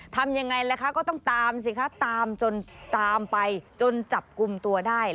ทำอย่างไรก็ต้องตามสิคะตามไปจนจับกลุ่มตัวได้